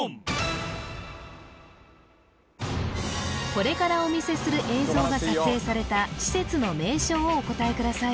これからお見せする映像が撮影された施設の名称をお答えください